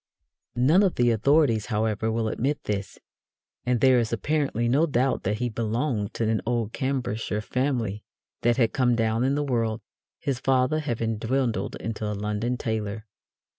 None of the authorities, however, will admit this, and there is apparently no doubt that he belonged to an old Cambridgeshire family that had come down in the world, his father having dwindled into a London tailor.